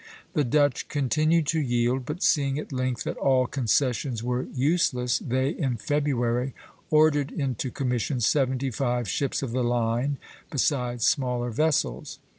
The Dutch continued to yield, but seeing at length that all concessions were useless, they in February ordered into commission seventy five ships of the line, besides smaller vessels.